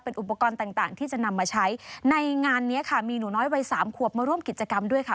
อุปกรณ์ต่างที่จะนำมาใช้ในงานนี้ค่ะมีหนูน้อยวัยสามขวบมาร่วมกิจกรรมด้วยค่ะ